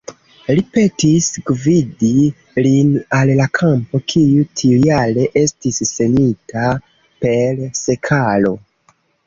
Li petis gvidi lin al la kampo, kiu tiujare estis semita per sekalo.